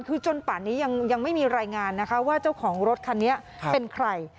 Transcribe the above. คือจนป่านนี้ยังไม่มีรายงานนะคะว่าเจ้าของรถคันนี้เป็นใคร